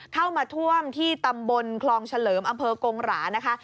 เข้ามาท่วมที่ตำบลคลองเฉลิมอำเภอกงหรานะคะ